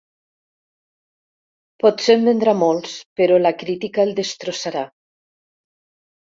Potser en vendrà molts, però la crítica el destrossarà.